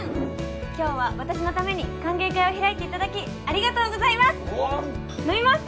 今日は私のために歓迎会を開いていただきありがとうございます！